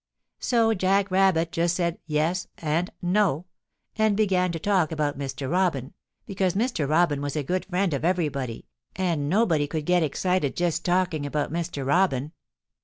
So Jack Rabbit just said 'Yes' and 'No' and began to talk about Mr. Robin, because Mr. Robin was a good friend of everybody and nobody could get excited just talking about Mr. Robin.